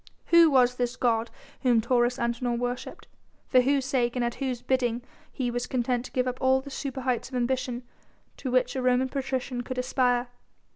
Who was this god whom Taurus Antinor worshipped? for whose sake and at whose bidding he was content to give up all the superheights of ambition to which a Roman patrician could aspire?